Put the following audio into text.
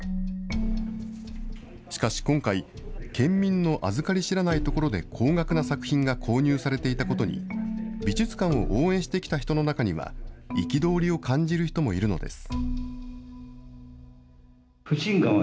しかし今回、県民のあずかり知らないところで高額な作品が購入されていたことに、美術館を応援してきた人の中には、憤りを感じる人もいるのです。